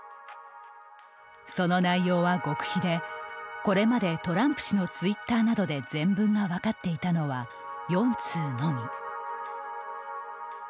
その内容は極秘でこれまで、トランプ氏のツイッターなどで全文が分かっていたのは４通のみ。